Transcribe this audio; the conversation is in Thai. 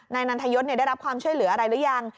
นันทยศได้รับความช่วยเหลืออะไรหรือยัง